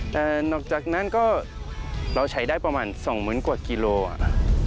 แต่นอกจากนั้นก็เราใช้ได้ประมาณ๒๐๐๐กว่ากิโลอ่ะ